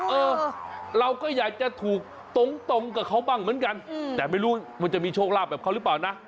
เออเราก็อยากจะถูกตรงกับเขาบ้างเหมือนกันแต่ไม่รู้มันจะมีโชคลาภแบบเขาหรือเปล่านะ